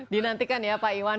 dinantikan ya pak iwan